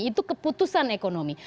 itu keputusan ekonomi